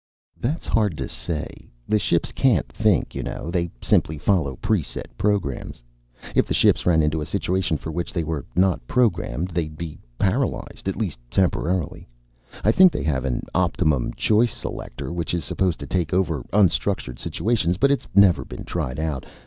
"That's hard to say. The ships can't think, you know; they simply follow pre set programs. If the ships ran into a situation for which they were not programmed, they'd be paralyzed, at least temporarily. I think they have an optimum choice selector which is supposed to take over unstructured situations; but it's never been tried out.